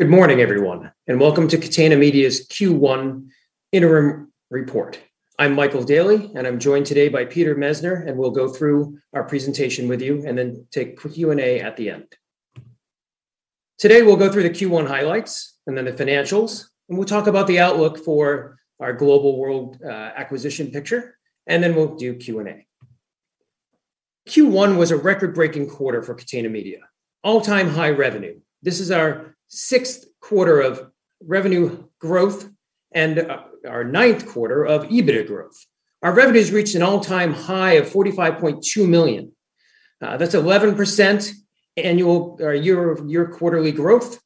Good morning, everyone, and welcome to Catena Media's Q1 Interim Report. I'm Michael Daly, and I'm joined today by Peter Messner, and we'll go through our presentation with you and then take Q&A at the end. Today, we'll go through the Q1 highlights and then the financials, and we'll talk about the outlook for our global world acquisition picture, and then we'll do Q&A. Q1 was a record-breaking quarter for Catena Media. All-time high revenue. This is our Q6 of revenue growth and our Q9 of EBITA growth. Our revenues reached an all-time high of 45.2 million. That's 11% year-over-year quarterly growth.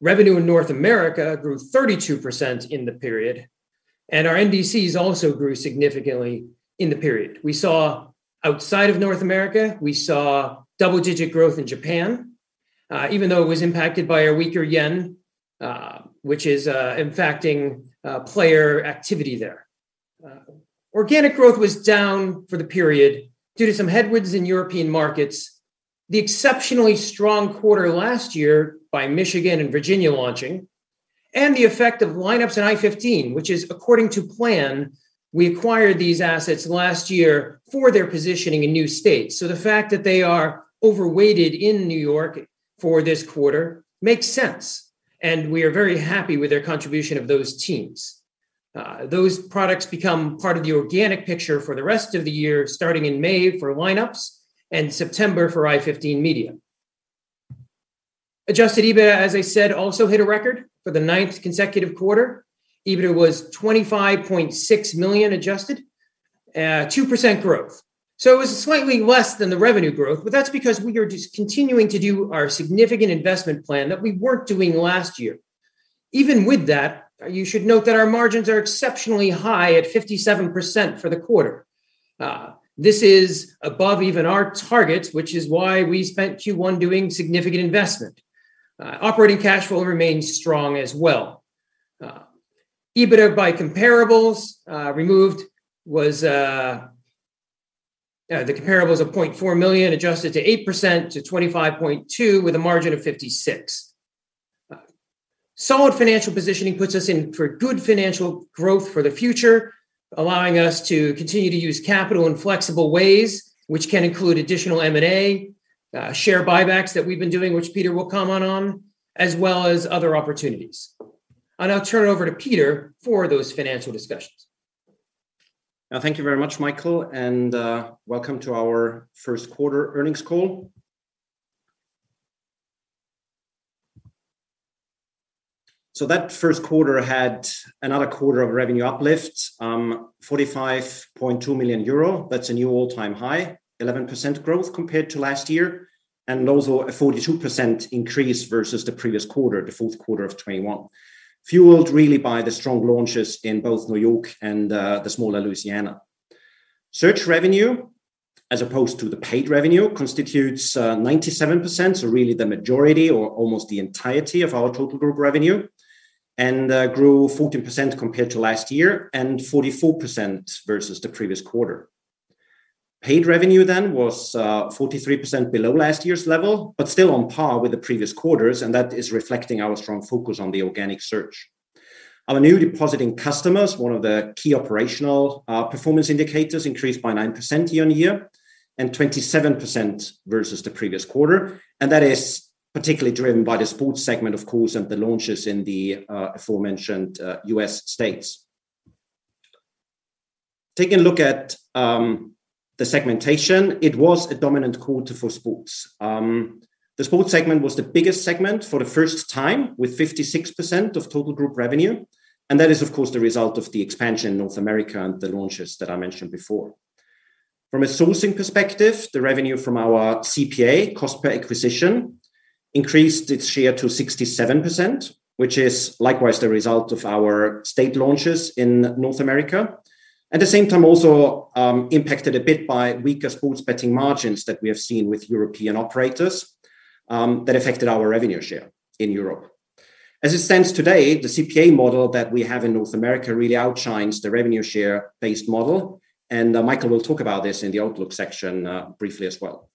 Revenue in North America grew 32% in the period, and our NDCs also grew significantly in the period. We saw outside of North America double-digit growth in Japan, even though it was impacted by a weaker yen, which is impacting player activity there. Organic growth was down for the period due to some headwinds in European markets. The exceptionally strong quarter last year by Michigan and Virginia launching and the effect of Lineups and i15 Media, which is according to plan, we acquired these assets last year for their positioning in new states. The fact that they are overweighted in New York for this quarter makes sense, and we are very happy with their contribution of those teams. Those products become part of the organic picture for the rest of the year, starting in May for Lineups and September for i15 Media. Adjusted EBITDA, as I said, also hit a record for the ninth consecutive quarter. EBITA was 25.6 million adjusted, 2% growth. It was slightly less than the revenue growth, but that's because we are just continuing to do our significant investment plan that we weren't doing last year. Even with that, you should note that our margins are exceptionally high at 57% for the quarter. This is above even our targets, which is why we spent Q1 doing significant investment. Operating cash flow remains strong as well. EBITA by comparables removed was 0.4 million adjusted, up 8% to 25.2 million with a margin of 56%. Solid financial positioning puts us in for good financial growth for the future, allowing us to continue to use capital in flexible ways, which can include additional M&A, share buybacks that we've been doing, which Peter will comment on, as well as other opportunities. I'll now turn it over to Peter for those financial discussions. Thank you very much, Michael, and welcome to our Q1 Earnings Call. That Q1 had another quarter of revenue uplifts, 45.2 million euro. That's a new all-time high, 11% growth compared to last year, and also a 42% increase versus the previous quarter, the Q4 of 2021. Fueled really by the strong launches in both New York and the smaller Louisiana. Search revenue, as opposed to the paid revenue, constitutes 97%, so really the majority or almost the entirety of our total group revenue, and grew 14% compared to last year and 44% versus the previous quarter. Paid revenue then was 43% below last year's level, but still on par with the previous quarters, and that is reflecting our strong focus on the organic search. Our new depositing customers, one of the key operational performance indicators, increased by 9% year-on-year and 27% versus the previous quarter. That is particularly driven by the sports segment, of course, and the launches in the aforementioned U.S. states. Taking a look at the segmentation, it was a dominant quarter for sports. The sports segment was the biggest segment for the first time with 56% of total group revenue. That is, of course, the result of the expansion in North America and the launches that I mentioned before. From a sourcing perspective, the revenue from our CPA, cost per acquisition, increased its share to 67%, which is likewise the result of our state launches in North America. At the same time, also impacted a bit by weaker sports betting margins that we have seen with European operators, that affected our revenue share in Europe. As it stands today, the CPA model that we have in North America really outshines the revenue share-based model. Michael will talk about this in the outlook section, briefly as well.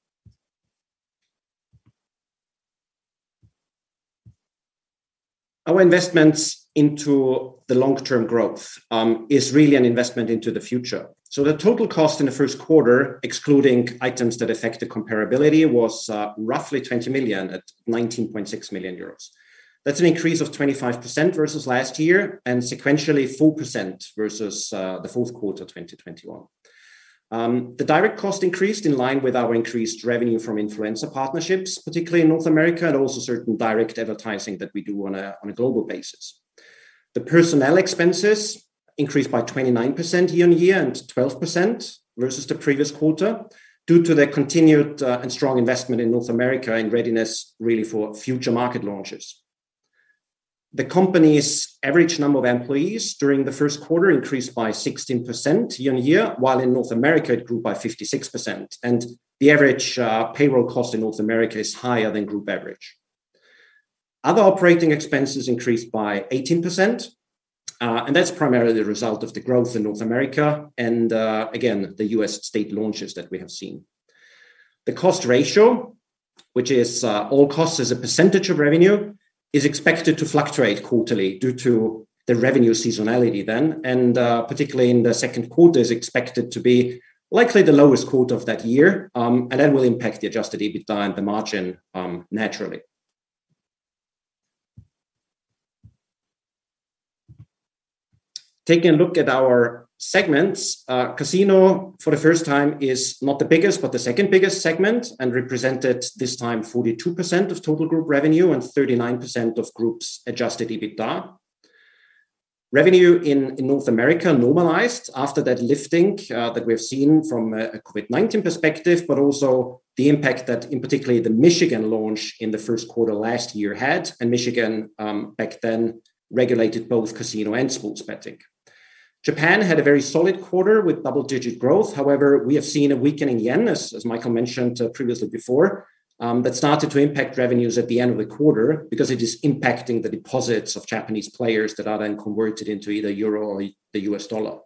Our investments into the long-term growth, is really an investment into the future. The total cost in the Q1, excluding items that affect the comparability, was roughly 20 million at 19.6 million euros. That's an increase of 25% versus last year and sequentially 4% versus the Q4 2021. The direct cost increased in line with our increased revenue from influencer partnerships, particularly in North America, and also certain direct advertising that we do on a global basis. The personnel expenses increased by 29% year-on-year and 12% versus the previous quarter due to the continued and strong investment in North America in readiness really for future market launches. The company's average number of employees during the Q1 increased by 16% year-on-year, while in North America it grew by 56%, and the average payroll cost in North America is higher than group average. Other operating expenses increased by 18%. That's primarily the result of the growth in North America and again the U.S. state launches that we have seen. The cost ratio, which is all costs as a percentage of revenue, is expected to fluctuate quarterly due to the revenue seasonality then, and particularly in the Q2 is expected to be likely the lowest quarter of that year, and that will impact the adjusted EBITDA and the margin, naturally. Taking a look at our segments, casino for the first time is not the biggest, but the second biggest segment, and represented this time 42% of total group revenue and 39% of group's adjusted EBITDA. Revenue in North America normalized after that lifting that we have seen from a COVID-19 perspective, but also the impact that in particularly the Michigan launch in the Q1 last year had. Michigan back then regulated both casino and sports betting. Japan had a very solid quarter with double-digit growth. However, we have seen a weakening yen, as Michael mentioned previously before, that started to impact revenues at the end of the quarter because it is impacting the deposits of Japanese players that are then converted into either euro or the US dollar.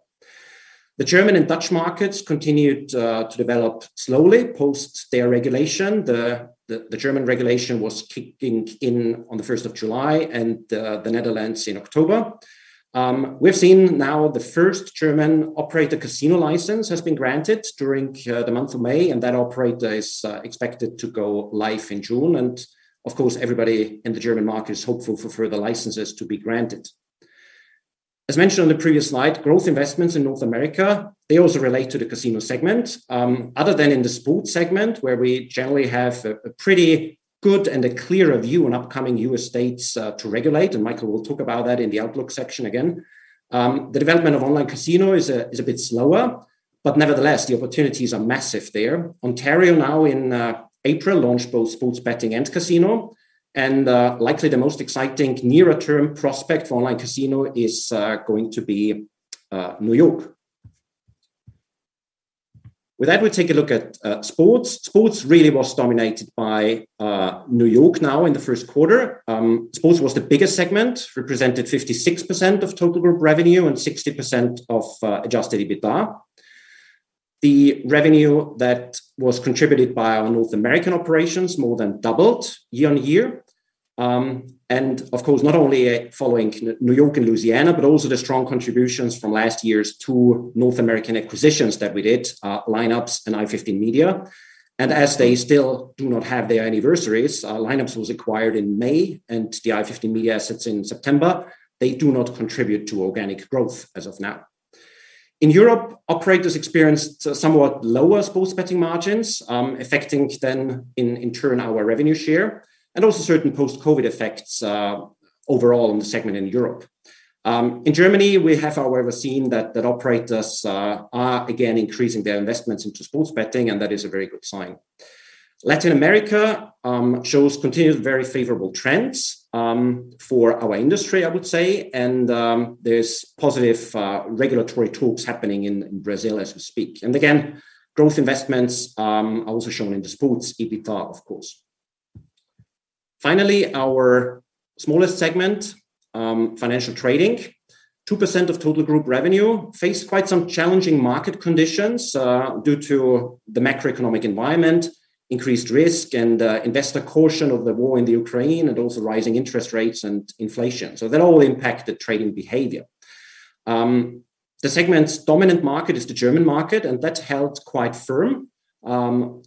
The German and Dutch markets continued to develop slowly post their regulation. The German regulation was kicking in on the first of July and the Netherlands in October. We've seen now the first German operator casino license has been granted during the month of May, and that operator is expected to go live in June. Of course, everybody in the German market is hopeful for further licenses to be granted. As mentioned on the previous slide, growth investments in North America, they also relate to the casino segment. Other than in the sports segment, where we generally have a pretty good and a clearer view on upcoming U.S. states to regulate, and Michael will talk about that in the outlook section again. The development of online casino is a bit slower, but nevertheless, the opportunities are massive there. Ontario now in April launched both sports betting and casino, and likely the most exciting near-term prospect for online casino is going to be New York. With that, we take a look at sports. Sports really was dominated by New York now in the Q1. Sports was the biggest segment, represented 56% of total group revenue and 60% of adjusted EBITDA. The revenue that was contributed by our North American operations more than doubled year-over-year. Of course, not only following New York and Louisiana, but also the strong contributions from last year's two North American acquisitions that we did, Lineups and i15 Media. As they still do not have their anniversaries, Lineups was acquired in May and the i15 Media assets in September. They do not contribute to organic growth as of now. In Europe, operators experienced somewhat lower sports betting margins, affecting, in turn, our revenue share and also certain post-COVID effects overall in the segment in Europe. In Germany, we have however seen that the operators are again increasing their investments into sports betting, and that is a very good sign. Latin America shows continued very favorable trends for our industry, I would say. There's positive regulatory talks happening in Brazil as we speak. Again, growth investments are also shown in the sports EBITDA, of course. Finally, our smallest segment, financial trading, 2% of total group revenue faced quite some challenging market conditions due to the macroeconomic environment, increased risk, and investor caution of the war in the Ukraine, and also rising interest rates and inflation. That all impacted trading behavior. The segment's dominant market is the German market, and that held quite firm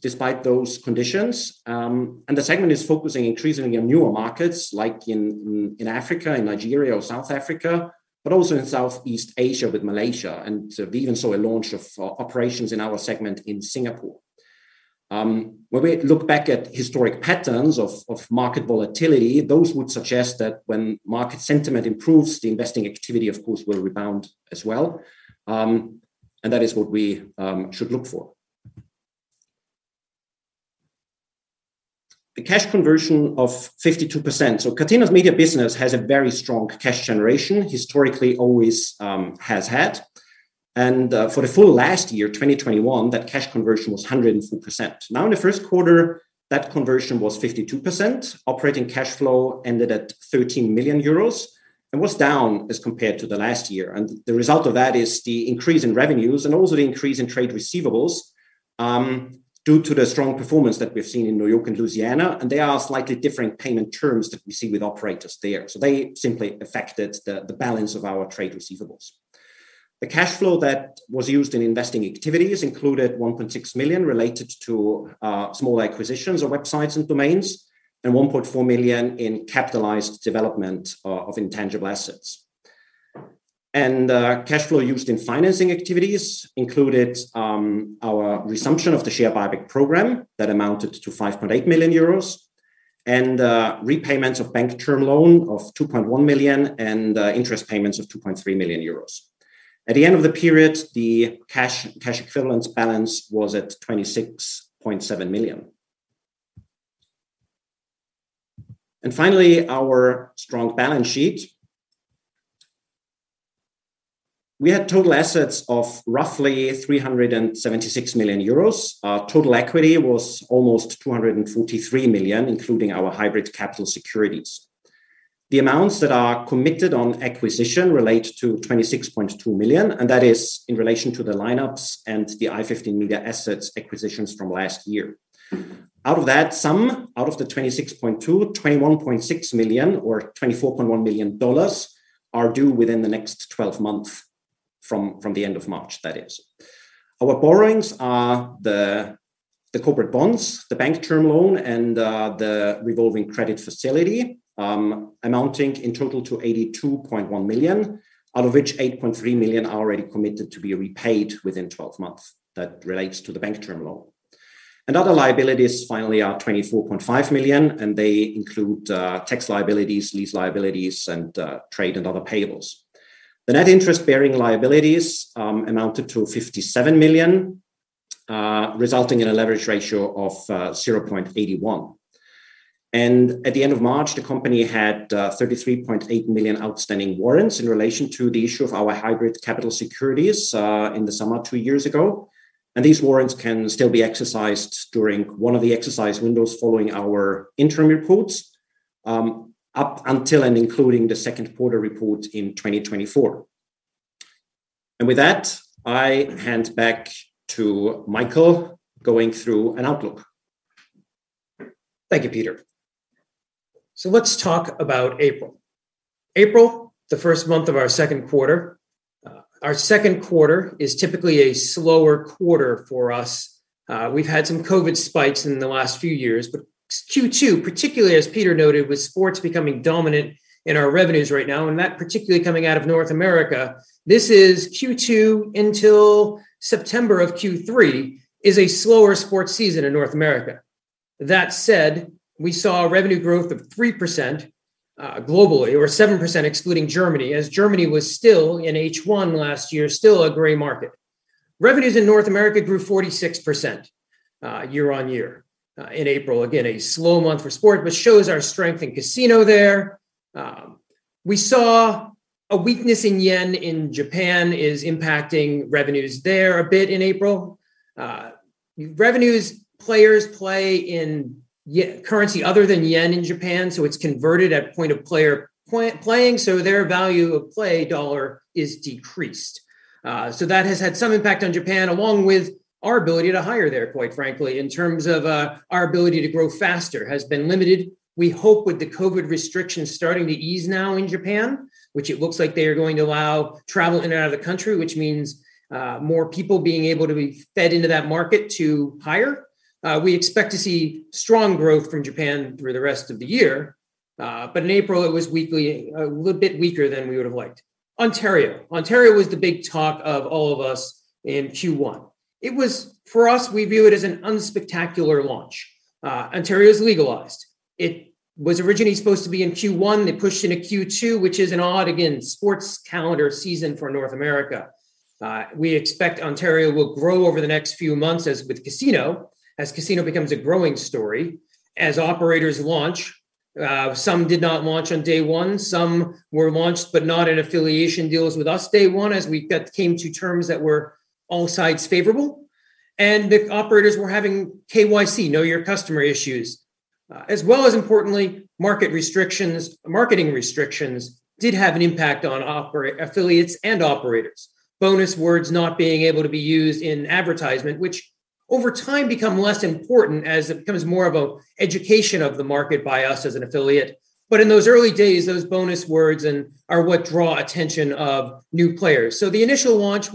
despite those conditions. The segment is focusing increasingly on newer markets like in Africa, in Nigeria or South Africa, but also in Southeast Asia with Malaysia. We even saw a launch of operations in our segment in Singapore. When we look back at historic patterns of market volatility, those would suggest that when market sentiment improves, the investing activity, of course, will rebound as well. That is what we should look for. The cash conversion of 52%. Catena's media business has a very strong cash generation, historically, always has had. For the full last year, 2021, that cash conversion was 104%. Now in the Q1, that conversion was 52%. Operating cash flow ended at 13 million euros and was down as compared to the last year. The result of that is the increase in revenues and also the increase in trade receivables due to the strong performance that we've seen in New York and Louisiana. They are slightly different payment terms that we see with operators there. They simply affected the balance of our trade receivables. The cash flow that was used in investing activities included 1.6 million related to small acquisitions of websites and domains and 1.4 million in capitalized development of intangible assets. Cash flow used in financing activities included our resumption of the share buyback program that amounted to 5.8 million euros, and repayments of bank term loan of 2.1 million, and interest payments of 2.3 million euros. At the end of the period, the cash equivalents balance was at 26.7 million. Finally, our strong balance sheet. We had total assets of roughly 376 million euros. Our total equity was almost 243 million, including our hybrid capital securities. The amounts that are committed on acquisition relate to $26.2 million, and that is in relation to the Lineups and the i15 Media assets acquisitions from last year. Out of that sum, out of the $26.2, $21.6 million or $24.1 million dollars are due within the next twelve months from the end of March, that is. Our borrowings are the corporate bonds, the bank term loan, and the revolving credit facility, amounting in total to 82.1 million, out of which 8.3 million are already committed to be repaid within twelve months. That relates to the bank term loan. Other liabilities finally are 24.5 million, and they include tax liabilities, lease liabilities, and trade and other payables. The net interest-bearing liabilities amounted to 57 million, resulting in a leverage ratio of 0.81. At the end of March, the company had 33.8 million outstanding warrants in relation to the issue of our hybrid capital securities in the summer two years ago. These warrants can still be exercised during one of the exercise windows following our interim reports, up until and including the Q2 report in 2024. With that, I hand back to Michael going through an outlook. Thank you, Peter. Let's talk about April. April, the first month of our Q2. Our Q2 is typically a slower quarter for us. We've had some COVID spikes in the last few years, but Q2, particularly as Peter noted, with sports becoming dominant in our revenues right now, and that particularly coming out of North America, this is Q2 until September of Q3 is a slower sports season in North America. That said, we saw a revenue growth of 3%, globally, or 7% excluding Germany, as Germany was still in H1 last year, still a gray market. Revenues in North America grew 46%, year-on-year, in April. Again, a slow month for sport, but shows our strength in casino there. We saw a weakness in yen in Japan is impacting revenues there a bit in April. Players play in currency other than yen in Japan, so it's converted at point of player playing, so their value of play in dollars is decreased. That has had some impact on Japan, along with our ability to hire there, quite frankly, in terms of our ability to grow faster has been limited. We hope with the COVID restrictions starting to ease now in Japan, which it looks like they are going to allow travel in and out of the country, which means more people being able to be fed into that market to hire. We expect to see strong growth from Japan through the rest of the year. In April, it was a little bit weaker than we would have liked. Ontario was the big talk of all of us in Q1. For us, we view it as an unspectacular launch. Ontario's legalized. It was originally supposed to be in Q1. They pushed into Q2, which is an odd, again, sports calendar season for North America. We expect Ontario will grow over the next few months as with casino, as casino becomes a growing story, as operators launch. Some did not launch on day one. Some were launched, but not in affiliation deals with us day one, as we came to terms that were all sides favorable. The operators were having KYC, know your customer issues, as well as importantly, marketing restrictions did have an impact on affiliates and operators. Bonus words not being able to be used in advertisement, which over time become less important as it becomes more of an education of the market by us as an affiliate. In those early days, those bonus words and ads are what draw attention of new players. The initial launch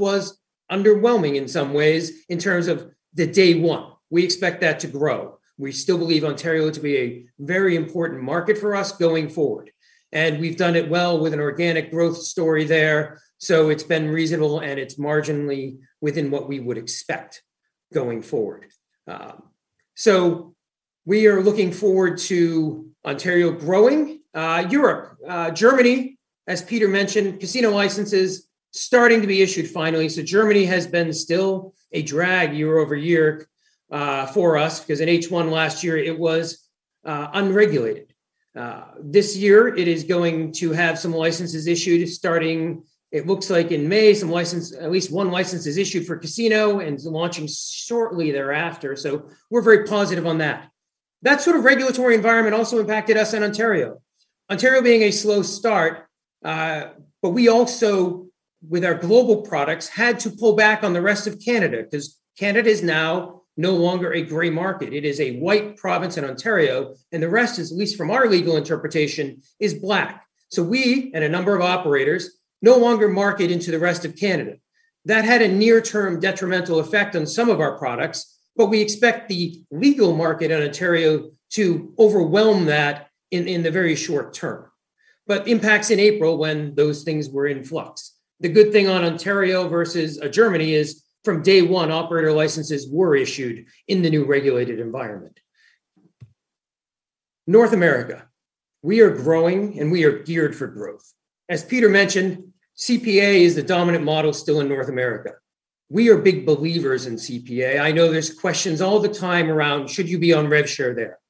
was underwhelming in some ways in terms of the day one. We expect that to grow. We still believe Ontario to be a very important market for us going forward, and we've done it well with an organic growth story there. It's been reasonable, and it's marginally within what we would expect going forward. We are looking forward to Ontario growing. Europe. Germany, as Peter mentioned, casino licenses starting to be issued finally. Germany has been still a drag year-over-year, for us, 'cause in H1 last year, it was unregulated. This year, it is going to have some licenses issued starting, it looks like in May. At least one license is issued for casino, and is launching shortly thereafter. We're very positive on that. That sort of regulatory environment also impacted us in Ontario. Ontario being a slow start, but we also, with our global products, had to pull back on the rest of Canada, 'cause Canada is now no longer a gray market. It is a white province in Ontario, and the rest, at least from our legal interpretation, is black. We and a number of operators no longer market into the rest of Canada. That had a near-term detrimental effect on some of our products, but we expect the legal market in Ontario to overwhelm that in the very short term. Impacts in April when those things were in flux. The good thing on Ontario versus Germany is from day one, operator licenses were issued in the new regulated environment. North America, we are growing, and we are geared for growth. As Peter mentioned, CPA is the dominant model still in North America. We are big believers in CPA. I know there's questions all the time around should you be on rev share there?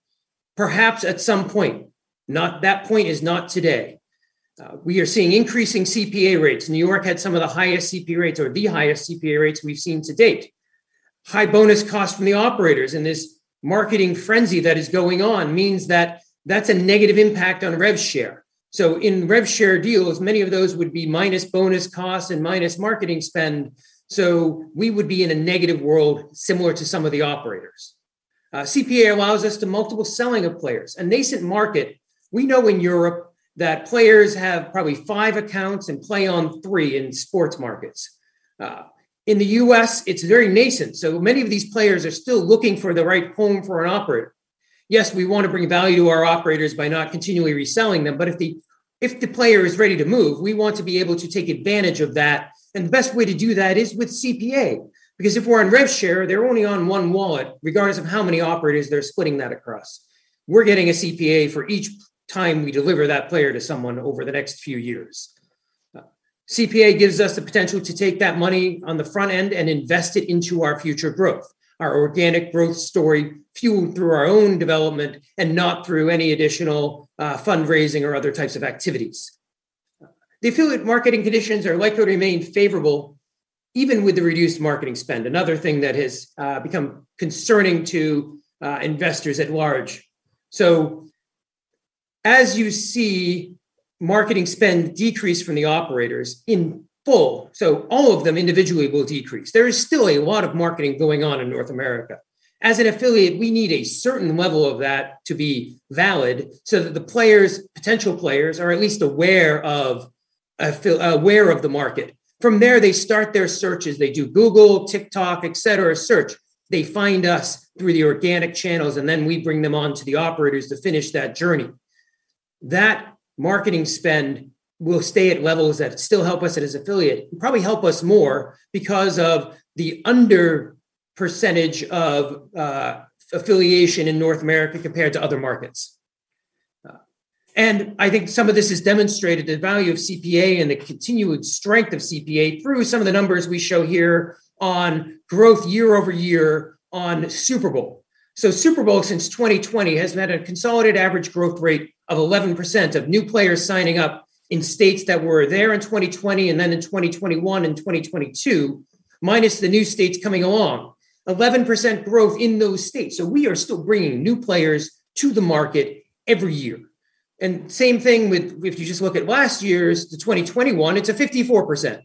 Perhaps at some point, not that point is not today. We are seeing increasing CPA rates. New York had some of the highest CPA rates or the highest CPA rates we've seen to date. High bonus costs from the operators and this marketing frenzy that is going on means that that's a negative impact on rev share. In rev share deals, many of those would be minus bonus costs and minus marketing spend, so we would be in a negative world similar to some of the operators. CPA allows us to multiple selling of players. A nascent market, we know in Europe that players have probably five accounts and play on three in sports markets. In the U.S., it's very nascent, so many of these players are still looking for the right home for an operator. Yes, we wanna bring value to our operators by not continually reselling them, but if the player is ready to move, we want to be able to take advantage of that, and the best way to do that is with CPA. Because if we're on rev share, they're only on one wallet, regardless of how many operators they're splitting that across. We're getting a CPA for each time we deliver that player to someone over the next few years. CPA gives us the potential to take that money on the front end and invest it into our future growth. Our organic growth story fueled through our own development and not through any additional fundraising or other types of activities. The affiliate marketing conditions are likely to remain favorable even with the reduced marketing spend, another thing that has become concerning to investors at large. As you see marketing spend decrease from the operators in full, so all of them individually will decrease. There is still a lot of marketing going on in North America. As an affiliate, we need a certain level of that to be valid so that the players, potential players are at least aware of the market. From there, they start their searches. They do Google, TikTok, et cetera, search. They find us through the organic channels, and then we bring them on to the operators to finish that journey. That marketing spend will stay at levels that still help us as affiliate, and probably help us more because of the under-percentage of affiliation in North America compared to other markets. I think some of this is demonstrated, the value of CPA and the continued strength of CPA through some of the numbers we show here on year-over-year growth on Super Bowl. Super Bowl since 2020 has met a consolidated average growth rate of 11% of new players signing up in states that were there in 2020 and then in 2021 and 2022, minus the new states coming along. 11% growth in those states. We are still bringing new players to the market every year. Same thing with if you just look at last year, the 2021, it's a 54%.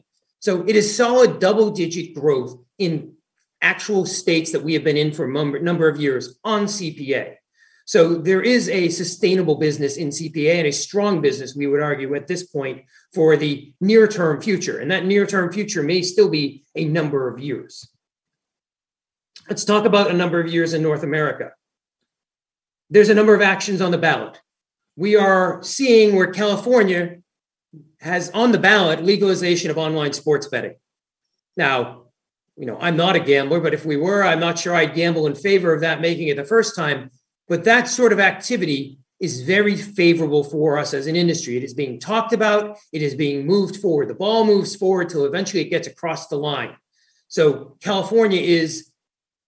It is solid double-digit growth in actual states that we have been in for a number of years on CPA. There is a sustainable business in CPA and a strong business, we would argue, at this point for the near-term future, and that near-term future may still be a number of years. Let's talk about a number of years in North America. There's a number of actions on the ballot. We are seeing where California has on the ballot legalization of online sports betting. Now, you know, I'm not a gambler, but if we were, I'm not sure I'd gamble in favor of that making it the first time. That sort of activity is very favorable for us as an industry. It is being talked about. It is being moved forward. The ball moves forward till eventually it gets across the line. California is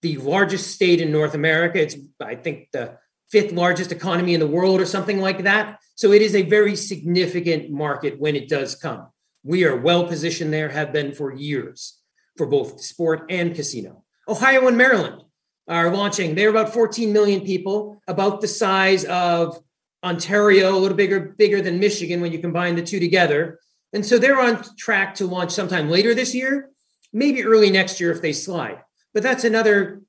the largest state in North America. It's, I think, the fifth-largest economy in the world or something like that. It is a very significant market when it does come. We are well-positioned there, have been for years, for both sport and casino. Ohio and Maryland are launching. They're about 14 million people, about the size of Ontario, a little bigger than Michigan when you combine the two together. They're on track to launch sometime later this year, maybe early next year if they slide. That's another.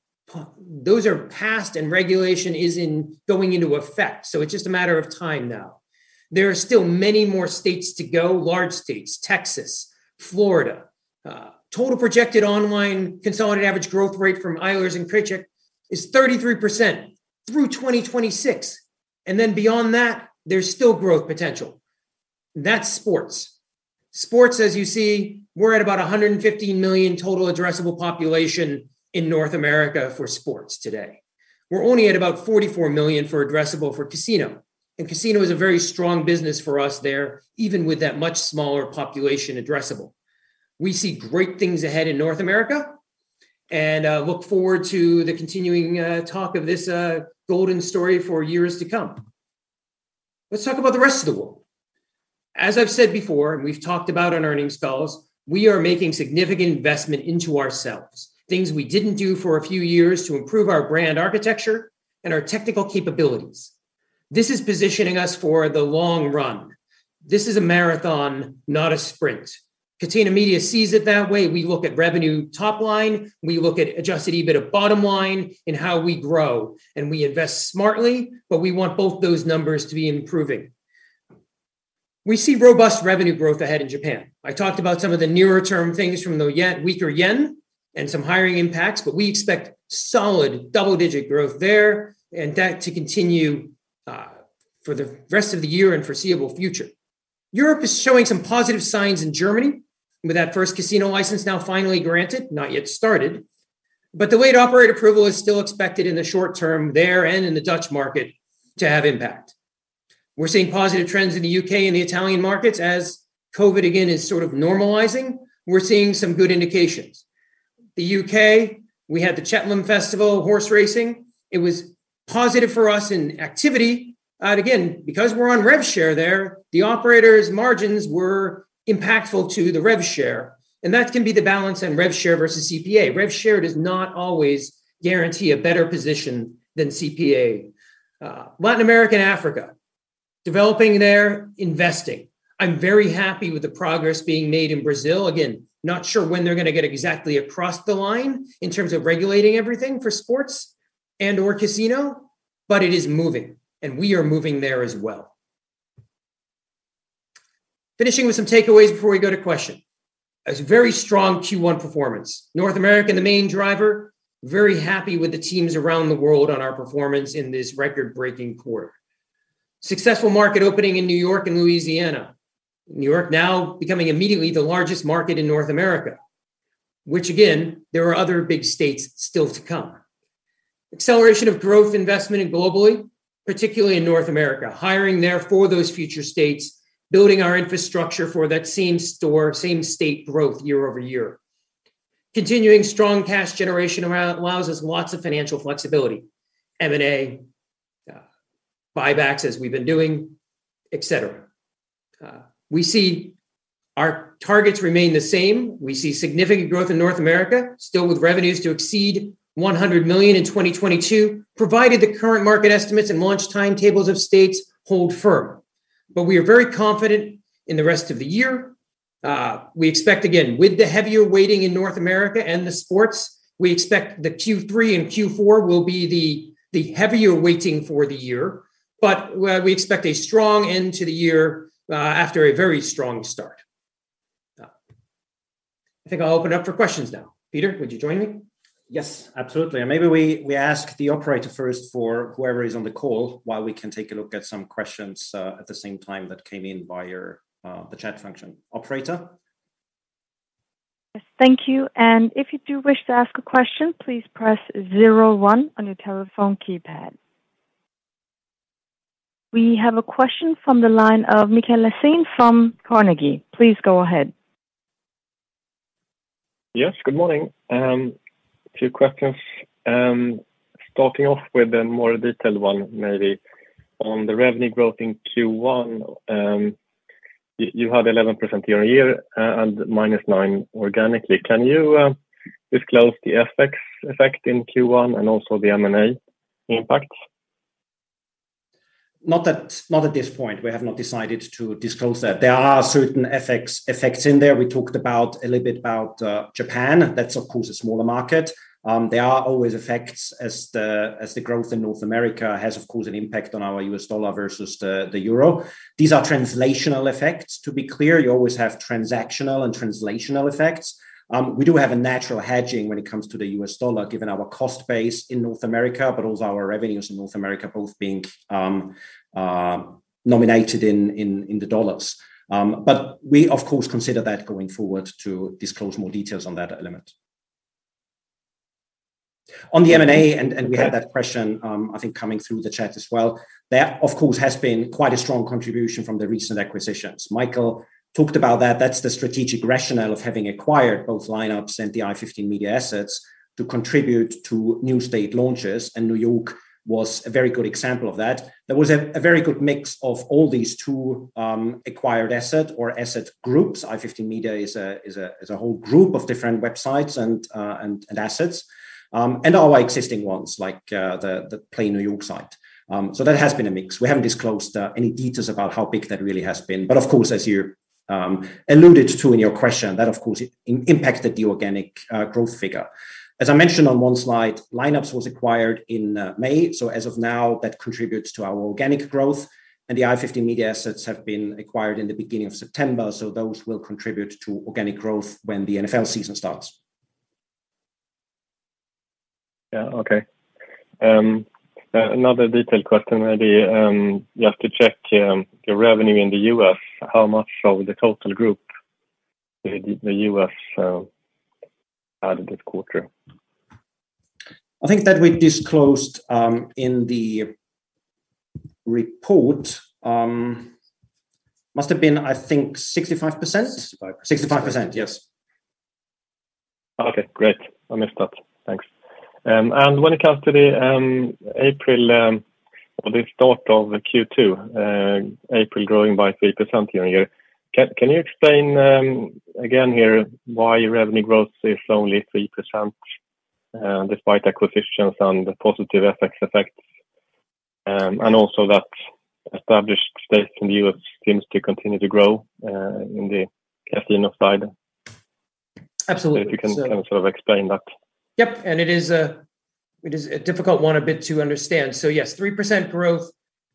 Those are passed and regulation is now going into effect, so it's just a matter of time now. There are still many more states to go, large states, Texas, Florida. Total projected online consolidated average growth rate from Eilers & Krejcik is 33% through 2026. Then beyond that, there's still growth potential. That's sports. Sports, as you see, we're at about 150 million total addressable population in North America for sports today. We're only at about 44 million for addressable for casino. Casino is a very strong business for us there, even with that much smaller population addressable. We see great things ahead in North America and look forward to the continuing talk of this golden story for years to come. Let's talk about the rest of the world. As I've said before, and we've talked about in earnings calls, we are making significant investment into ourselves, things we didn't do for a few years to improve our brand architecture and our technical capabilities. This is positioning us for the long run. This is a marathon, not a sprint. Catena Media sees it that way. We look at revenue top line, we look at adjusted EBITDA bottom line and how we grow, and we invest smartly, but we want both those numbers to be improving. We see robust revenue growth ahead in Japan. I talked about some of the nearer term things from the yen, weaker yen and some hiring impacts, but we expect solid double-digit growth there and that to continue, for the rest of the year and foreseeable future. Europe is showing some positive signs in Germany with that first casino license now finally granted, not yet started, but the wet operate approval is still expected in the short term there and in the Dutch market to have impact. We're seeing positive trends in the U.K. and the Italian markets as COVID, again, is sort of normalizing. We're seeing some good indications. The U.K., we had the Cheltenham Festival horse racing. It was positive for us in activity. Again, because we're on rev share there, the operator's margins were impactful to the rev share, and that can be the balance in rev share versus CPA. Latin America and Africa, developing there, investing. I'm very happy with the progress being made in Brazil. Again, not sure when they're gonna get exactly across the line in terms of regulating everything for sports and/or casino, but it is moving, and we are moving there as well. Finishing with some takeaways before we go to question. It was a very strong Q1 performance. North America, the main driver. Very happy with the teams around the world on our performance in this record-breaking quarter. Successful market opening in New York and Louisiana. New York now becoming immediately the largest market in North America, which, again, there are other big states still to come. Acceleration of growth investment globally, particularly in North America. Hiring there for those future states, building our infrastructure for that same-store, same-state growth year-over-year. Continuing strong cash generation that allows us lots of financial flexibility, M&A, buybacks as we've been doing, et cetera. We see our targets remain the same. We see significant growth in North America, still with revenues to exceed 100 million in 2022, provided the current market estimates and launch timetables of states hold firm. We are very confident in the rest of the year. We expect, again, with the heavier weighting in North America and the sports, we expect the Q3 and Q4 will be the heavier weighting for the year. We expect a strong end to the year, after a very strong start. I think I'll open up for questions now. Peter, would you join me? Yes, absolutely. Maybe we ask the operator first for whoever is on the call while we can take a look at some questions at the same time that came in via the chat function. Operator? Yes, thank you. If you do wish to ask a question, please press zero one on your telephone keypad. We have a question from the line of Mikael Lassén from Carnegie. Please go ahead. Yes, good morning. Two questions. Starting off with a more detailed one maybe. On the revenue growth in Q1, you have 11% year-on-year and -9% organically. Can you disclose the FX effect in Q1 and also the M&A impact? Not at this point. We have not decided to disclose that. There are certain FX effects in there. We talked about a little bit about Japan. That's of course a smaller market. There are always effects as the growth in North America has of course an impact on our U.S. dollar versus the euro. These are translational effects. To be clear, you always have transactional and translational effects. We do have a natural hedging when it comes to the U.S. dollar, given our cost base in North America, but also our revenues in North America both being nominated in the dollars. We of course consider that going forward to disclose more details on that element. On the M&A, we had that question, I think coming through the chat as well. There of course has been quite a strong contribution from the recent acquisitions. Michael talked about that. That's the strategic rationale of having acquired both Lineups and the i15 Media assets to contribute to new state launches, and New York was a very good example of that. There was a very good mix of all these two acquired asset groups. I15 Media is a whole group of different websites and assets, and our existing ones like the playny.com site. That has been a mix. We haven't disclosed any details about how big that really has been. Of course, as you alluded to in your question, that of course impacted the organic growth figure. As I mentioned on one slide, Lineups was acquired in May, so as of now, that contributes to our organic growth. The i15 Media assets have been acquired in the beginning of September, so those will contribute to organic growth when the NFL season starts. Yeah. Okay. Another detailed question maybe, just to check, the revenue in the U.S., how much of the total group in the U.S., added this quarter? I think that we disclosed in the report. Must have been, I think, 65%. 65%. 65%. Yes. Okay, great. I missed that. Thanks. When it comes to the April, well the start of Q2, April growing by 3% year-on-year, can you explain again here why revenue growth is only 3% despite acquisitions and the positive FX effects? And also that established states in the U.S. seems to continue to grow in the cash flow slide. Absolutely. If you can sort of explain that. Yep. It is a difficult one a bit to understand. Yes, 3% growth,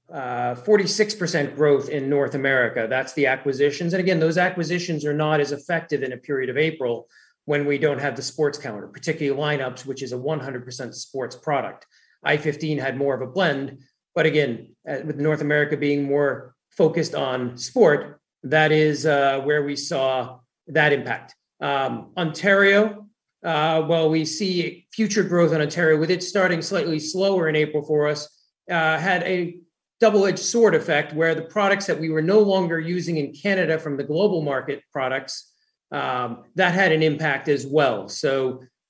46% growth in North America. That's the acquisitions. Again, those acquisitions are not as effective in a period of April when we don't have the sports calendar, particularly Lineups, which is a 100% sports product. i15 had more of a blend. Again, with North America being more focused on sports, that is where we saw that impact. Ontario, while we see future growth in Ontario with it starting slightly slower in April for us, had a double-edged sword effect where the products that we were no longer using in Canada from the global market products, that had an impact as well.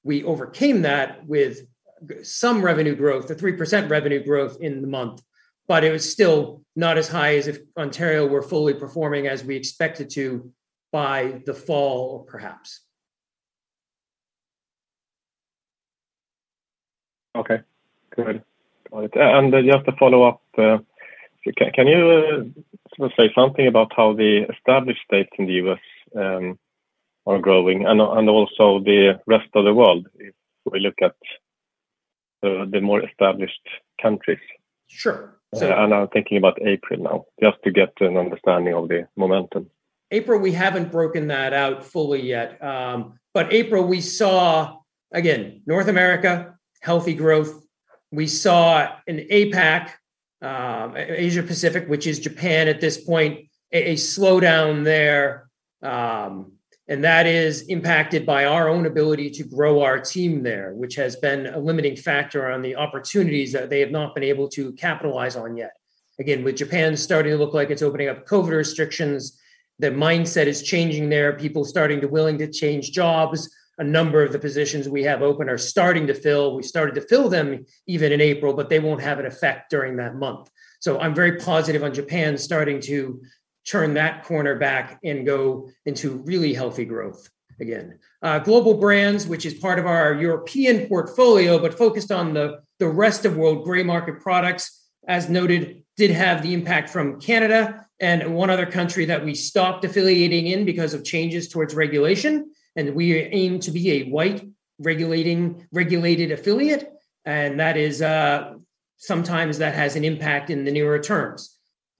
We overcame that with some revenue growth, the 3% revenue growth in the month. It was still not as high as if Ontario were fully performing as we expect it to by the fall, perhaps. Okay. Good. All right. Just to follow up, can you sort of say something about how the established states in the U.S. are growing and also the rest of the world if we look at the more established countries? Sure. I'm thinking about April now, just to get an understanding of the momentum. April, we haven't broken that out fully yet. April, we saw. Again, North America, healthy growth. We saw in APAC, Asia Pacific, which is Japan at this point, a slowdown there, and that is impacted by our own ability to grow our team there, which has been a limiting factor on the opportunities that they have not been able to capitalize on yet. Again, with Japan starting to look like it's opening up COVID restrictions, the mindset is changing there, people starting to willing to change jobs. A number of the positions we have open are starting to fill. We started to fill them even in April, but they won't have an effect during that month. I'm very positive on Japan starting to turn that corner back and go into really healthy growth again. Global brands, which is part of our European portfolio, but focused on the rest of world gray market products, as noted, did have the impact from Canada and one other country that we stopped affiliating in because of changes towards regulation, and we aim to be a white regulated affiliate, and that is sometimes that has an impact in the near term.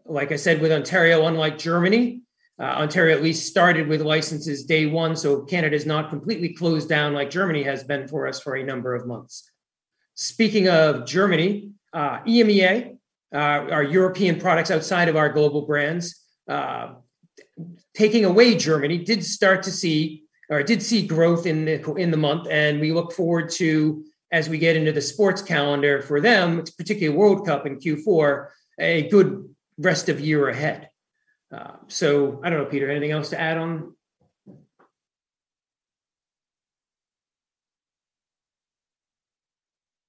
Like I said with Ontario, unlike Germany, Ontario at least started with licenses day one, so Canada is not completely closed down like Germany has been for us for a number of months. Speaking of Germany, EMEA, our European products outside of our global brands, taking away Germany, did see growth in the month, and we look forward to, as we get into the sports calendar for them, it's particularly World Cup in Q4, a good rest of year ahead. So, I don't know, Peter, anything else to add on?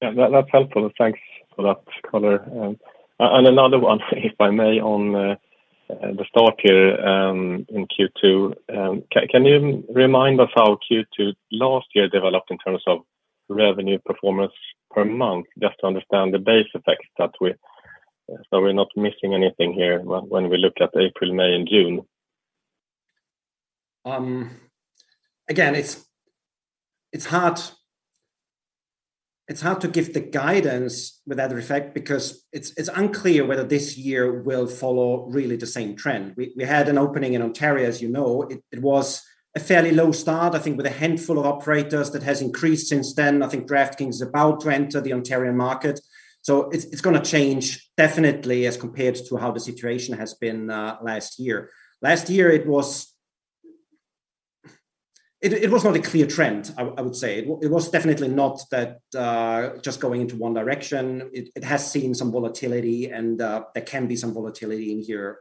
Yeah. That's helpful. Thanks for that color. Another one, if I may, on the start here in Q2. Can you remind us how Q2 last year developed in terms of revenue performance per month, just to understand the base effects, so we're not missing anything here when we look at April, May, and June? Again, it's hard to give the guidance with that effect because it's unclear whether this year will follow really the same trend. We had an opening in Ontario, as you know. It was a fairly low start, I think with a handful of operators that has increased since then. I think DraftKings is about to enter the Ontario market. It's gonna change definitely as compared to how the situation has been last year. Last year, it was not a clear trend, I would say. It was definitely not that just going into one direction. It has seen some volatility and there can be some volatility in here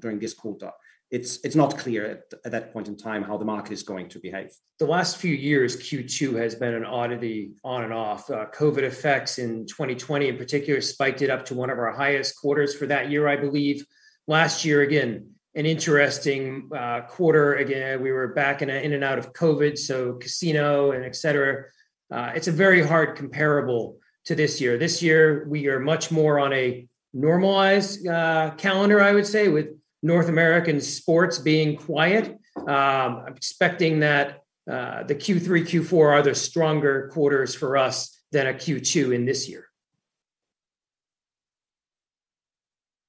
during this quarter. It's not clear at that point in time how the market is going to behave. The last few years, Q2 has been an oddity on and off. COVID effects in 2020 in particular spiked it up to one of our highest quarters for that year, I believe. Last year, again, an interesting quarter. Again, we were back in and out of COVID, so casino and et cetera. It's a very hard comparable to this year. This year we are much more on a normalized calendar, I would say, with North American sports being quiet. I'm expecting that the Q3, Q4 are the stronger quarters for us than a Q2 in this year.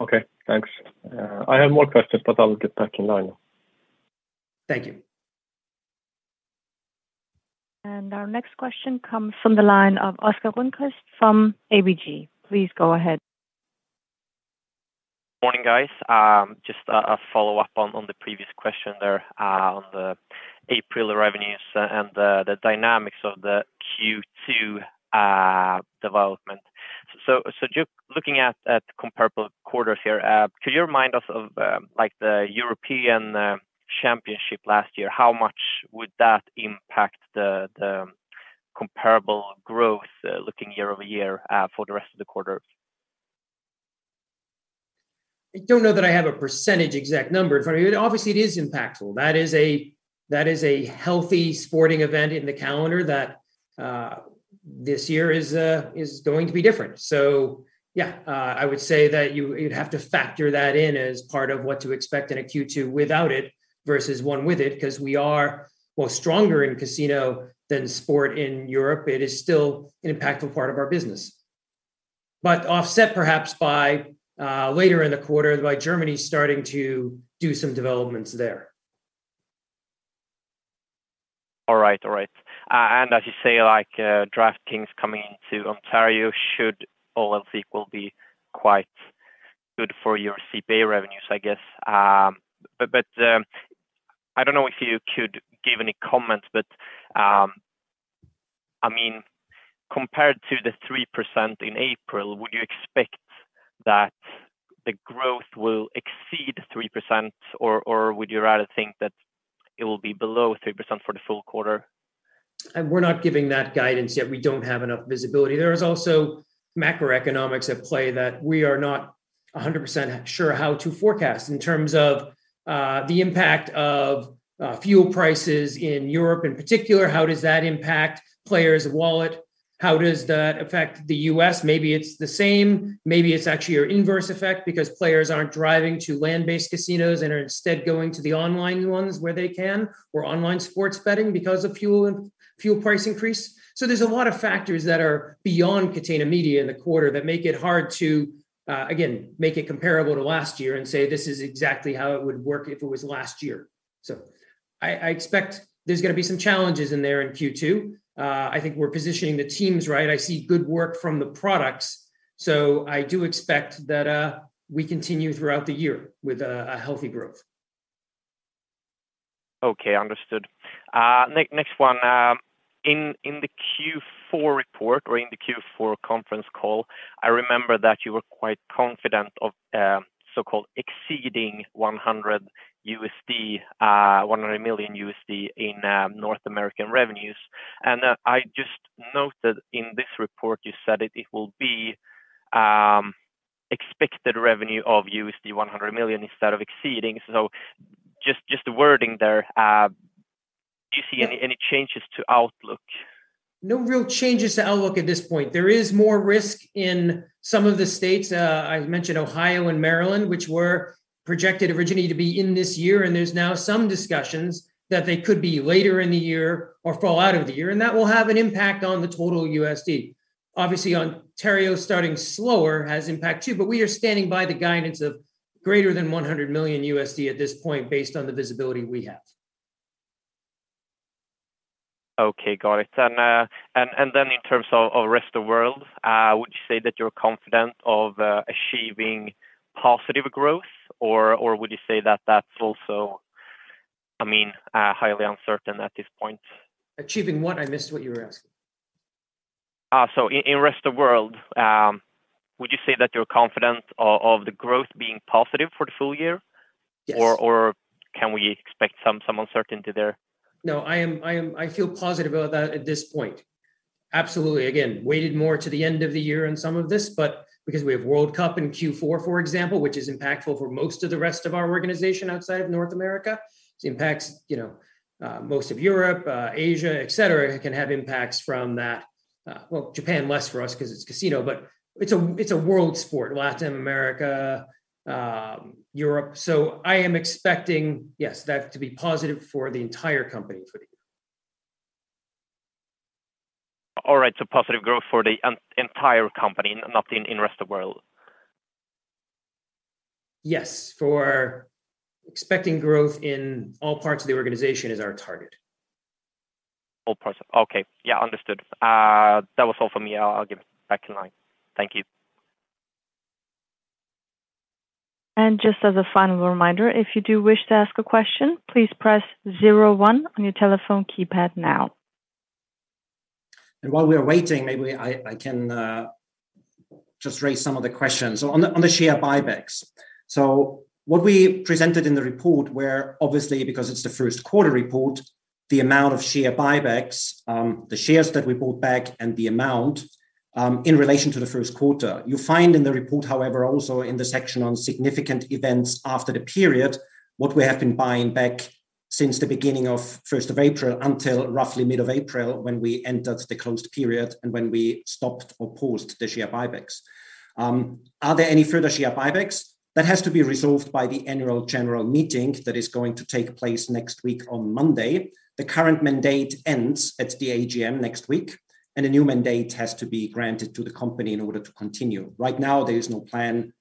Okay, thanks. I have more questions, but I will get back in line. Thank you. Our next question comes from the line of Oscar Rönnkvist from ABGSC. Please go ahead. Morning, guys. Just a follow-up on the previous question there, on the April revenues and the dynamics of the Q2 development. Just looking at comparable quarters here, could you remind us of, like the European Championship last year? How much would that impact the comparable growth, looking year-over-year, for the rest of the quarter? I don't know that I have a percentage exact number in front of me. Obviously, it is impactful. That is a healthy sporting event in the calendar that this year is going to be different. I would say that you'd have to factor that in as part of what to expect in a Q2 without it versus one with it, 'cause we are, well, stronger in casino than sport in Europe. It is still an impactful part of our business. Offset perhaps by later in the quarter by Germany starting to do some developments there. All right. As you say, like, DraftKings coming into Ontario should all else equal be quite good for your CPA revenues, I guess. I don't know if you could give any comments, but I mean, compared to the 3% in April, would you expect that the growth will exceed 3% or would you rather think that it will be below 3% for the full quarter? We're not giving that guidance yet. We don't have enough visibility. There is also macroeconomics at play that we are not 100% sure how to forecast in terms of the impact of fuel prices in Europe in particular. How does that impact players' wallet? How does that affect the US? Maybe it's the same, maybe it's actually an inverse effect because players aren't driving to land-based casinos and are instead going to the online ones where they can, or online sports betting because of fuel price increase. There's a lot of factors that are beyond Catena Media in the quarter that make it hard to again make it comparable to last year and say, this is exactly how it would work if it was last year. I expect there's gonna be some challenges in there in Q2. I think we're positioning the teams right. I see good work from the products, so I do expect that we continue throughout the year with a healthy growth. Okay, understood. Next one. In the Q4 report or in the Q4 conference call, I remember that you were quite confident of so-called exceeding $100 million in North American revenues. I just noted in this report you said it will be expected revenue of $100 million instead of exceeding. Just the wording there. Do you see any changes to outlook? No real changes to outlook at this point. There is more risk in some of the states, I've mentioned Ohio and Maryland, which were projected originally to be in this year, and there's now some discussions that they could be later in the year or fall out of the year, and that will have an impact on the total USD. Obviously, Ontario starting slower has impact too, but we are standing by the guidance of greater than $100 million at this point based on the visibility we have. Okay. Got it. Then in terms of rest of world, would you say that you're confident of achieving positive growth or would you say that that's also, I mean, highly uncertain at this point? Achieving what? I missed what you were asking. In Rest of World, would you say that you're confident of the growth being positive for the full year? Yes. Can we expect some uncertainty there? No, I am. I feel positive about that at this point. Absolutely. Again, weighted more to the end of the year in some of this, but because we have World Cup in Q4 for example, which is impactful for most of the rest of our organization outside of North America. It impacts, you know, most of Europe, Asia, et cetera, can have impacts from that. Well, Japan less for us 'cause it's casino, but it's a world sport, Latin America, Europe. I am expecting, yes, that to be positive for the entire company for the year. All right. Positive growth for the entire company, not in rest of world. Expecting growth in all parts of the organization is our target. All parts. Okay. Yeah. Understood. That was all for me. I'll give it back to line. Thank you. Just as a final reminder, if you do wish to ask a question, please press zero one on your telephone keypad now. While we are waiting, maybe I can just raise some of the questions. On the share buybacks. What we presented in the report were obviously because it's the Q1 report, the amount of share buybacks, the shares that we bought back and the amount in relation to the Q1. You find in the report, however, also in the section on significant events after the period, what we have been buying back since the beginning of first of April until roughly mid of April when we entered the closed period and when we stopped or paused the share buybacks. Are there any further share buybacks? That has to be resolved by the annual general meeting that is going to take place next week on Monday. The current mandate ends at the AGM next week, and a new mandate has to be granted to the company in order to continue. Right now, there is no plan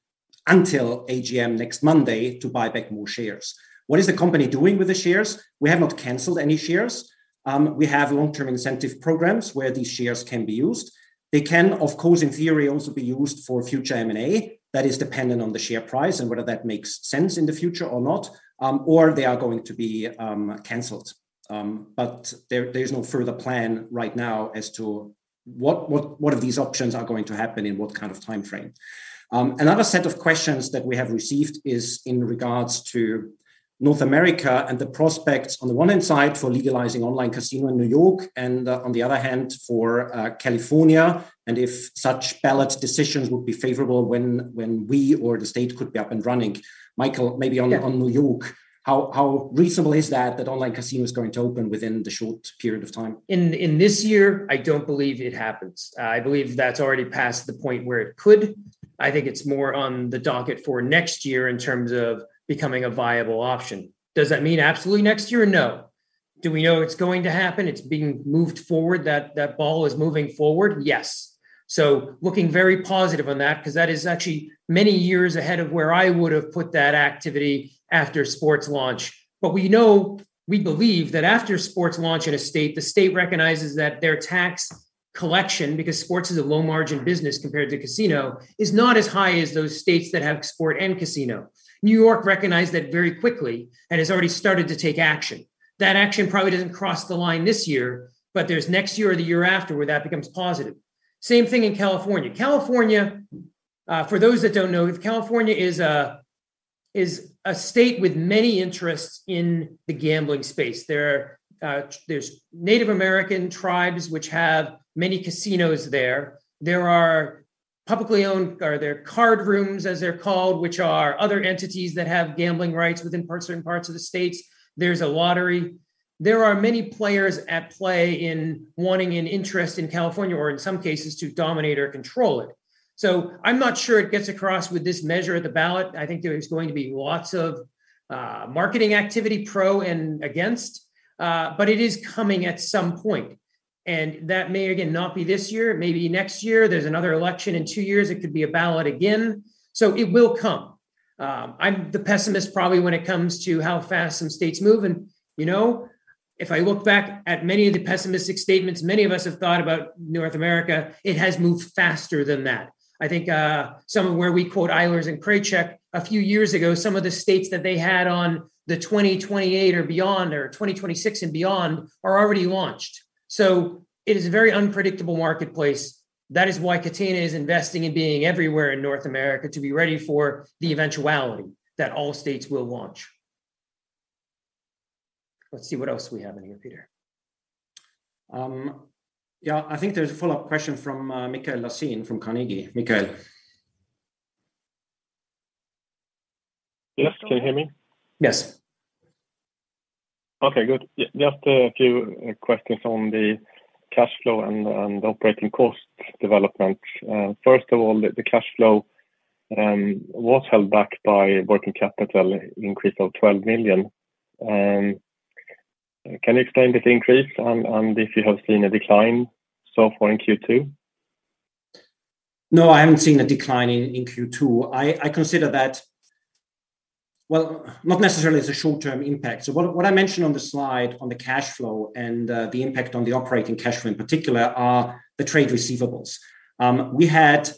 until AGM next Monday to buy back more shares. What is the company doing with the shares? We have not canceled any shares. We have long-term incentive programs where these shares can be used. They can, of course, in theory, also be used for future M&A. That is dependent on the share price and whether that makes sense in the future or not. Or they are going to be canceled. But there's no further plan right now as to what of these options are going to happen in what kind of timeframe. Another set of questions that we have received is in regards to North America and the prospects on the one hand side for legalizing online casino in New York and on the other hand for California, and if such ballot decisions would be favorable when we or the state could be up and running. Michael, maybe on- Yeah on New York, how reasonable is that online casino is going to open within the short period of time? In this year, I don't believe it happens. I believe that's already past the point where it could. I think it's more on the docket for next year in terms of becoming a viable option. Does that mean absolutely next year? No. Do we know it's going to happen? It's being moved forward. That ball is moving forward, yes. Looking very positive on that 'cause that is actually many years ahead of where I would've put that activity after sports launch. We know, we believe that after sports launch in a state, the state recognizes that their tax collection, because sports is a low margin business compared to casino, is not as high as those states that have sport and casino. New York recognized that very quickly and has already started to take action. That action probably doesn't cross the line this year, but there's next year or the year after where that becomes positive. Same thing in California. California, for those that don't know, California is a state with many interests in the gambling space. There are Native American tribes which have many casinos there. Or there are card rooms, as they're called, which are other entities that have gambling rights within certain parts of the states. There's a lottery. There are many players at play in wanting an interest in California or in some cases to dominate or control it. I'm not sure it gets across with this measure at the ballot. I think there is going to be lots of marketing activity, pro and against, but it is coming at some point, and that may, again, not be this year. It may be next year. There's another election in two years. It could be a ballot again. So it will come. I'm the pessimist probably when it comes to how fast some states move and, you know, if I look back at many of the pessimistic statements many of us have thought about North America, it has moved faster than that. I think some of where we quote Eilers & Krejcik a few years ago, some of the states that they had on the 2028 or beyond or 2026 and beyond are already launched. So, it is a very unpredictable marketplace. That is why Catena is investing in being everywhere in North America to be ready for the eventuality that all states will launch. Let's see what else we have in here, Peter. Yeah, I think there's a follow-up question from Mikael Lassén from Carnegie. Mikael. Yes. Can you hear me? Yes. Okay, good. Just a few questions on the cash flow and operating cost development. First of all, the cash flow was held back by working capital increase of 12 million. Can you explain that increase and if you have seen a decline so far in Q2? No, I haven't seen a decline in Q2. I consider that. Well, not necessarily as a short-term impact. What I mentioned on the slide on the cash flow and the impact on the operating cash flow in particular are the trade receivables. We had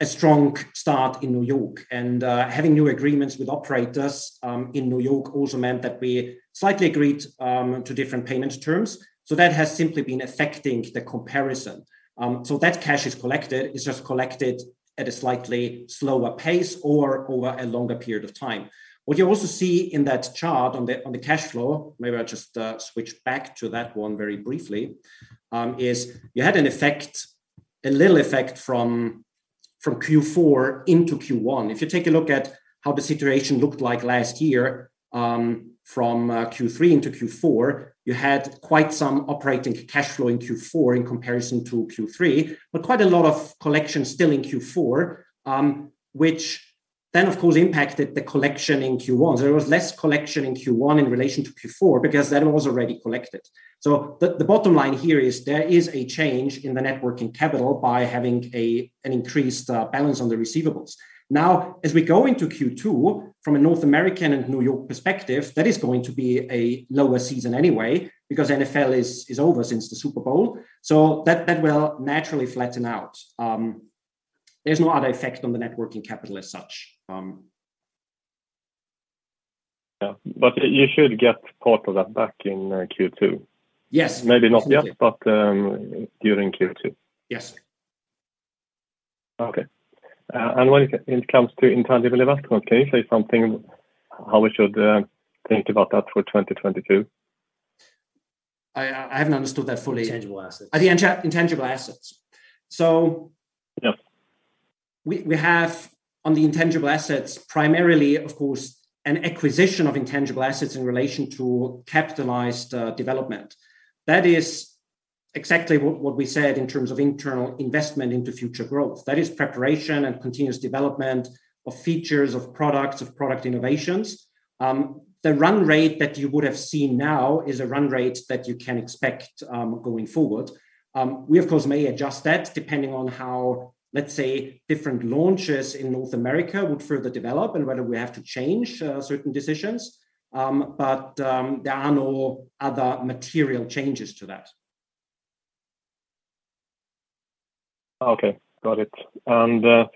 a strong start in New York, and having new agreements with operators in New York also meant that we slightly agreed to different payment terms. That has simply been affecting the comparison. That cash is collected. It's just collected at a slightly slower pace or over a longer period of time. What you also see in that chart on the cash flow, maybe I'll just switch back to that one very briefly, is you had an effect, a little effect from Q4 into Q1. If you take a look at how the situation looked like last year, from Q3 into Q4, you had quite some operating cash flow in Q4 in comparison to Q3. Quite a lot of collection still in Q4, which then of course impacted the collection in Q1. There was less collection in Q1 in relation to Q4 because that was already collected. The bottom line here is there is a change in the net working capital by having an increased balance on the receivables. Now, as we go into Q2, from a North American and New York perspective, that is going to be a lower season anyway because NFL is over since the Super Bowl. That will naturally flatten out. There's no other effect on the net working capital as such. Yeah. You should get part of that back in Q2. Yes. Maybe not yet, but, during Q2. Yes. Okay. When it comes to intangible investment, can you say something how we should think about that for 2022? I haven't understood that fully. Intangible assets. The intangible assets. Yeah We have on the intangible assets, primarily, of course, an acquisition of intangible assets in relation to capitalized development. That is exactly what we said in terms of internal investment into future growth. That is preparation and continuous development of features, of products, of product innovations. The run rate that you would have seen now is a run rate that you can expect going forward. We of course may adjust that depending on how, let's say, different launches in North America would further develop and whether we have to change certain decisions. There are no other material changes to that. Okay. Got it. The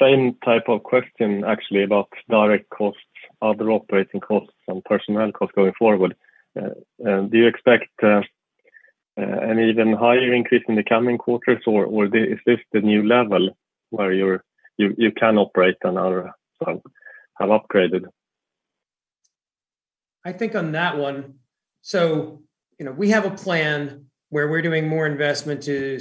same type of question actually about direct costs, other operating costs, and personnel costs going forward. Do you expect an even higher increase in the coming quarters, or is this the new level where you can operate on or have upgraded? I think on that one, you know, we have a plan where we're doing more investment to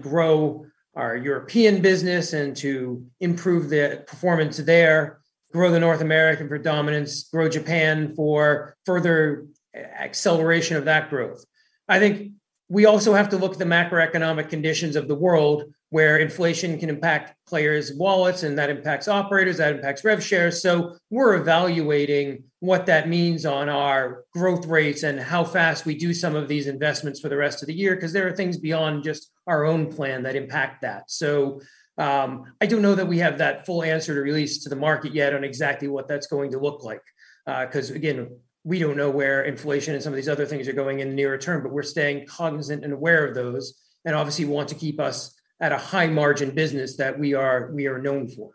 grow our European business and to improve the performance there, grow the North American predominance, grow Japan for further acceleration of that growth. I think we also have to look at the macroeconomic conditions of the world, where inflation can impact players' wallets, and that impacts operators, that impacts rev shares. We're evaluating what that means on our growth rates and how fast we do some of these investments for the rest of the year, because there are things beyond just our own plan that impact that. I don't know that we have that full answer to release to the market yet on exactly what that's going to look like. Because again, we don't know where inflation and some of these other things are going in the nearer term, but we're staying cognizant and aware of those and obviously want to keep us at a high margin business that we are known for.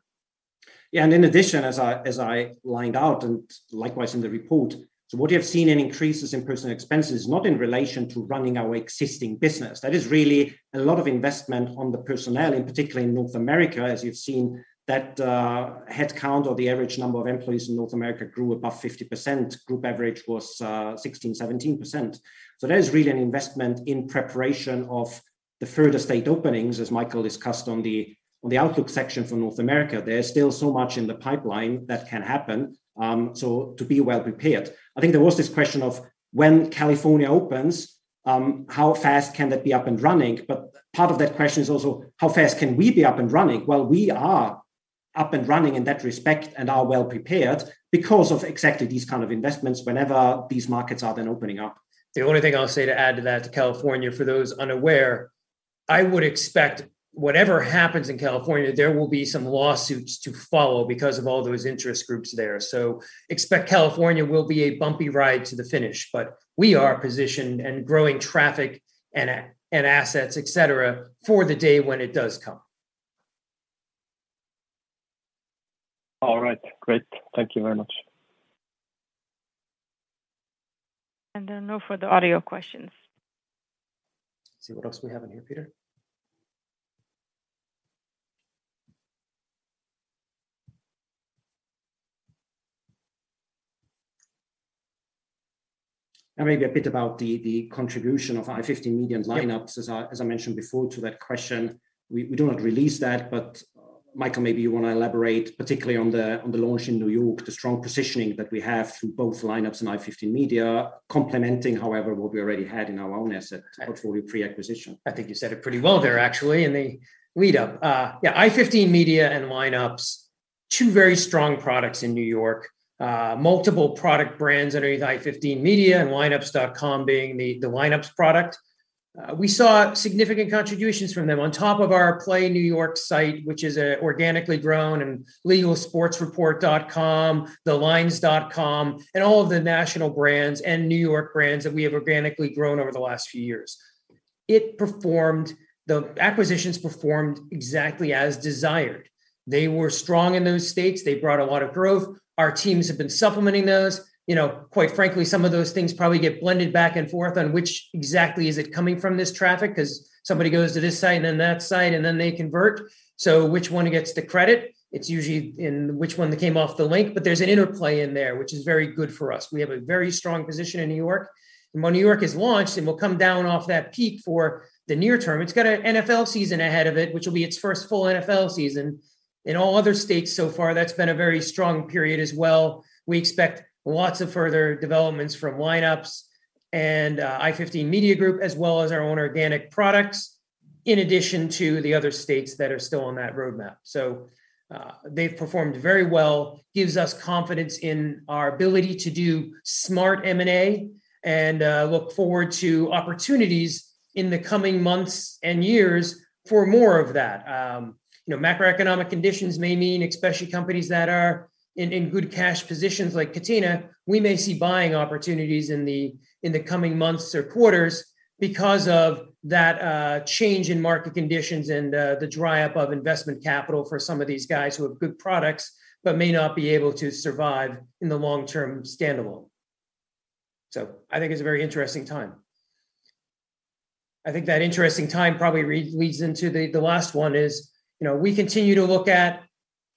Yeah, in addition, as I laid out and likewise in the report. What you have seen in increases in personnel expenses, not in relation to running our existing business. That is really a lot of investment on the personnel, in particular in North America, as you've seen that headcount or the average number of employees in North America grew above 50%, group average was 16%, 17%. That is really an investment in preparation of the further state openings, as Michael discussed on the outlook section for North America. There's still so much in the pipeline that can happen, so to be well-prepared. I think there was this question of when California opens, how fast can that be up and running? But part of that question is also how fast can we be up and running? Well, we are up and running in that respect and are well-prepared because of exactly these kind of investments whenever these markets are then opening up. The only thing I'll say to add to that, to California, for those unaware, I would expect whatever happens in California, there will be some lawsuits to follow because of all those interest groups there. Expect California will be a bumpy ride to the finish, but we are positioned and growing traffic and assets, etc., for the day when it does come. All right. Great. Thank you very much. There are no further audio questions. See what else we have in here, Peter. Now maybe a bit about the contribution of i15 Media and Lineups. As I mentioned before to that question, we do not release that. But Michael, maybe you wanna elaborate, particularly on the launch in New York, the strong positioning that we have through both Lineups and i15 Media, complementing, however, what we already had in our own asset portfolio pre-acquisition. I think you said it pretty well there actually in the lead-up. Yeah, i15 Media and Lineups, two very strong products in New York. Multiple product brands under i15 Media and Lineups.com being the Lineups product. We saw significant contributions from them on top of our playny.com site, which is organically grown, and LegalSportsReport.com, TheLines.com, and all of the national brands and New York brands that we have organically grown over the last few years. The acquisitions performed exactly as desired. They were strong in those states. They brought a lot of growth. Our teams have been supplementing those. You know, quite frankly, some of those things probably get blended back and forth on which exactly is it coming from this traffic, 'cause somebody goes to this site and then that site, and then they convert. Which one gets the credit? It's usually in which one that came off the link, but there's an interplay in there, which is very good for us. We have a very strong position in New York. When New York is launched, and we'll come down off that peak for the near term, it's got an NFL season ahead of it, which will be its first full NFL season. In all other states so far, that's been a very strong period as well. We expect lots of further developments from Lineups and i15 Media group, as well as our own organic products, in addition to the other states that are still on that roadmap. They've performed very well. Gives us confidence in our ability to do smart M&A and look forward to opportunities in the coming months and years for more of that. You know, macroeconomic conditions may mean, especially companies that are in good cash positions like Catena, we may see buying opportunities in the coming months or quarters because of that change in market conditions and the dry-up of investment capital for some of these guys who have good products but may not be able to survive in the long term standalone. I think it's a very interesting time. I think that interesting time probably leads into the last one is, you know, we continue to look at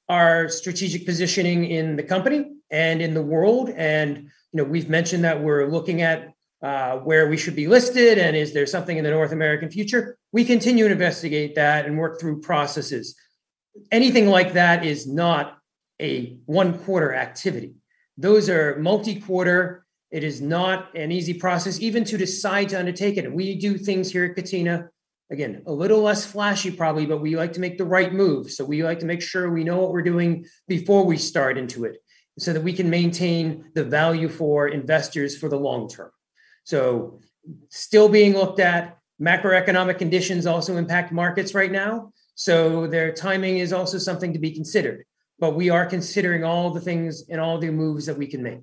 our strategic positioning in the company and in the world, and you know, we've mentioned that we're looking at where we should be listed and is there something in the North American future. We continue to investigate that and work through processes. Anything like that is not a one-quarter activity. Those are multi-quarter. It is not an easy process even to decide to undertake it. We do things here at Catena, again, a little less flashy probably, but we like to make the right moves. We like to make sure we know what we're doing before we start into it, so that we can maintain the value for investors for the long term. Still being looked at. Macroeconomic conditions also impact markets right now, so their timing is also something to be considered. We are considering all the things and all the moves that we can make.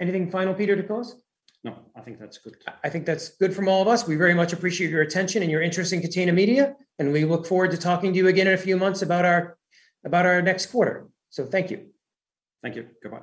Anything final, Peter, to close? No, I think that's good. I think that's good from all of us. We very much appreciate your attention and your interest in Catena Media, and we look forward to talking to you again in a few months about our next quarter. Thank you. Thank you. Goodbye.